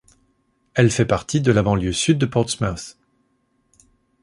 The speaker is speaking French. Elle fait partie de la banlieue sud de Portsmouth.